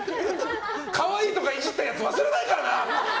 可愛いとかいじったやつ忘れないからな！